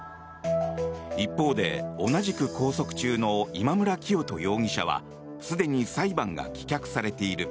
一方で、同じく拘束中の今村磨人容疑者はすでに裁判が棄却されている。